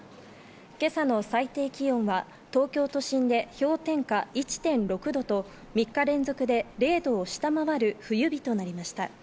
今朝の最低気温は東京都心で氷点下１．６度と３日連続で０度を下回る冬日となりました。